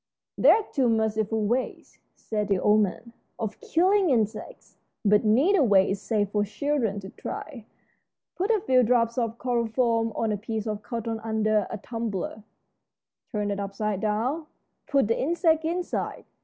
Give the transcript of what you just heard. "There are two merciful ways," said the old man, "of killing insects, but neither way is safe for children to try. Put a few drops of chloroform on a piece of cotton under a tumbler turned upside down. Put the insect inside.